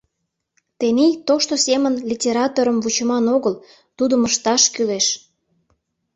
Тений тошто семын литераторым вучыман огыл, тудым ышташ кӱлеш.